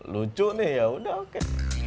lucu nih yaudah oke